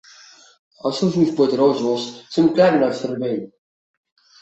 Els seus ulls poderosos se'm claven al cervell.